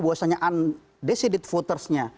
bahwasannya undecided votersnya